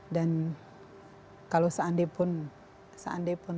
dan kalau seandainya pun seandainya pun